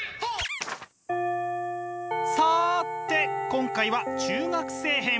さて今回は中学生編。